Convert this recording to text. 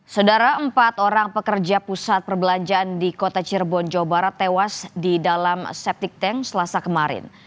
saudara empat orang pekerja pusat perbelanjaan di kota cirebon jawa barat tewas di dalam septic tank selasa kemarin